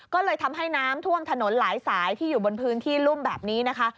ก็เลยทำให้น้ำท่วมถนนหลายสายที่อยู่บนพื้นที่รุ่มแบบนี้นะคะ